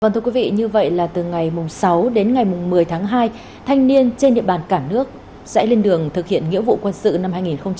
thưa quý vị như vậy là từ ngày sáu đến ngày một mươi tháng hai thanh niên trên địa bàn cả nước sẽ lên đường thực hiện nghĩa vụ quân sự năm hai nghìn hai mươi